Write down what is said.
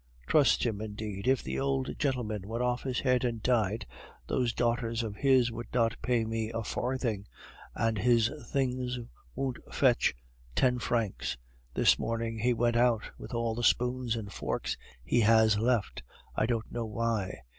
"Trust him, indeed! If the old gentleman went off his head and died, those daughters of his would not pay me a farthing, and his things won't fetch ten francs. This morning he went out with all the spoons and forks he has left, I don't know why.